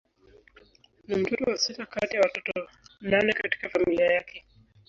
Ni mtoto wa sita kati ya watoto nane katika familia yake.